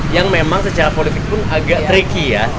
yang memang secara politik pun agak tricky ya